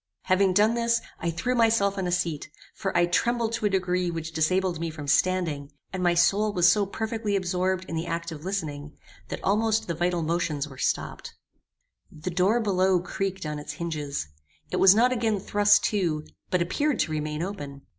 Having done this, I threw myself on a seat; for I trembled to a degree which disabled me from standing, and my soul was so perfectly absorbed in the act of listening, that almost the vital motions were stopped. The door below creaked on its hinges. It was not again thrust to, but appeared to remain open.